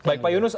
baik pak yunus